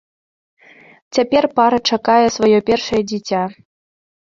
Цяпер пара чакае сваё першае дзіця.